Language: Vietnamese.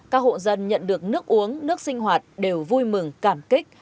các hộ dân nhận được nước uống nước sinh hoạt đều vui mừng cảm kích